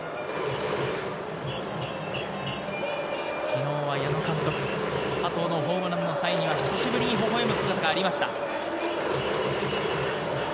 昨日は矢野監督、佐藤のホームランの際には久しぶりにほほ笑む姿がありました。